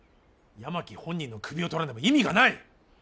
山木本人の首を取らねば意味がない。